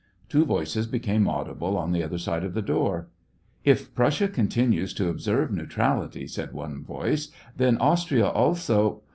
Two voices became audible on the other side of the door. " If Prussia continues to observe neutrality," said one voice, *' then Austria also